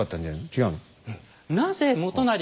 違うの？